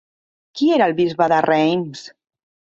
Qui era el bisbe de Reims?